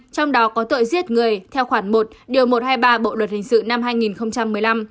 trong đó có tội giết người theo khoản một điều một trăm hai mươi ba bộ luật hình sự năm hai nghìn một mươi năm